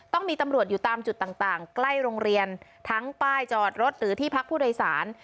ต้องมีตำรวจอยู่ตามจุดต่างใกล้โรงเรียนทั้งป้ายจอดรถหรือที่พักผู้โดยสาร